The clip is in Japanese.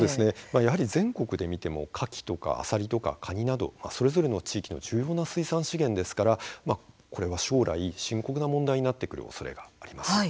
やはり全国で見てもカキとかアサリとかカニなどそれぞれの地域の重要な水産資源ですから、これは将来深刻な問題になってくるおそれがあります。